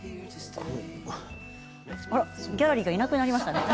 ギャラリーがいなくなりましたね。